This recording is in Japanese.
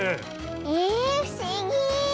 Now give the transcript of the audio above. えふしぎ。